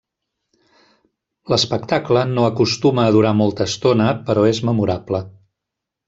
L'espectacle no acostuma a durar molta estona però és memorable.